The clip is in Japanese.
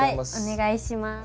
お願いします。